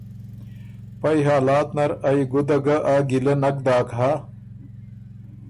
پئ حالات نر ائ ګُده ګه آ ګیله نک داک هۀ